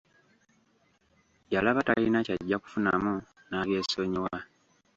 Yalaba talina kyajja kufunamu n'abyesonyiwa.